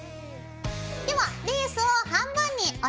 ではレースを半分に折ります。